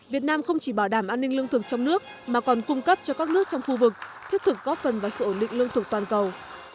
việt nam không chỉ bảo đảm an ninh lương thực trong nước mà còn cung cấp cho các nước trong khu vực thiết thực góp phần vào sự ổn định lương thực toàn cầu